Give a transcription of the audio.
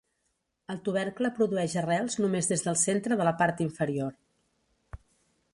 El tubercle produeix arrels només des del centre de la part inferior.